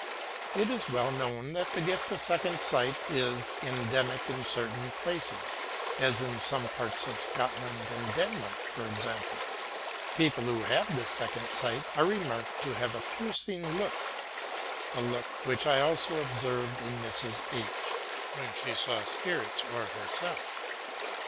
It is well known that the gift of second sight is endemic in certain places ŌĆö as in some parts of Scot land and Denmark, for example. People who have this second sight are remarked to have a piercing look ŌĆö a look which I also observed in Mrs. H when she saw spirits or herself.